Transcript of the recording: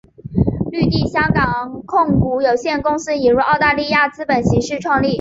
绿地香港控股有限公司引入澳大利亚资本形式创立。